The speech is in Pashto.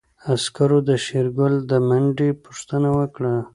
عسکرو د شېرګل د منډې پوښتنه وکړه.